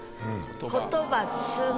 「言葉摘む」。